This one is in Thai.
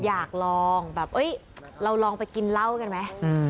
อยากลองแบบเราลองไปกินเหล้ากันไหม